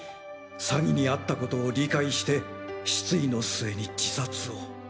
詐欺にあったことを理解して失意の末に自殺を。